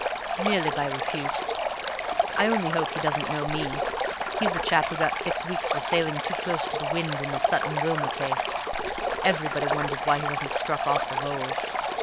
"Merely by repute. I only hope he doesn't know me. He's the chap who got six weeks for sailing too close to the wind in the Sutton Wilmer case; everybody wondered why he wasn't struck off the rolls.